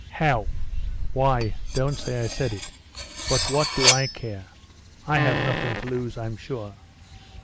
'How?' 'Why, don't say I said it. But what do I care? I have nothing to lose, I'm sure.